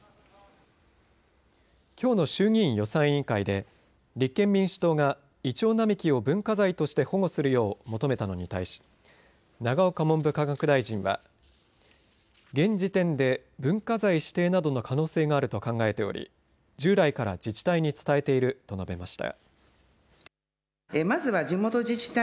きょうの衆議院予算委員会で立憲民主党がイチョウ並木を文化財として保護するよう求めたのに対し永岡文部科学大臣は、現時点で文化財指定などの可能性があると考えており従来から自治体に伝えていると述べました。